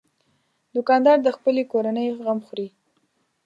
دوکاندار د خپلې کورنۍ غم خوري.